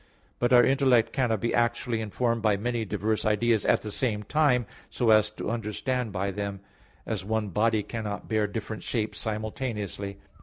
But our intellect cannot be actually informed by many diverse ideas at the same time, so as to understand by them; as one body cannot bear different shapes simultaneously.